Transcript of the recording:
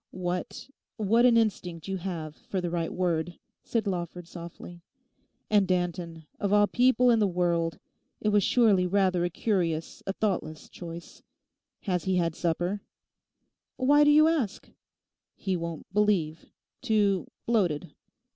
'What—what an instinct you have for the right word,' said Lawford softly. 'And Danton, of all people in the world! It was surely rather a curious, a thoughtless choice. Has he had supper?' 'Why do you ask?' 'He won't believe: too—bloated.